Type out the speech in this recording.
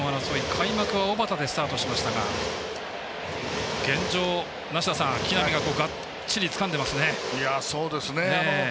開幕は小幡でスタートしましたが現状、梨田さん、木浪ががっちりつかんでいますね。